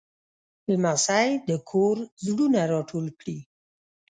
لمسی د کور زړونه راټول کړي.